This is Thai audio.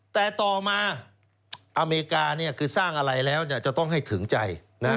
แต่ต่อมาอเมริกาคือสร้างอะไรแล้วจะต้องให้ถึงใจ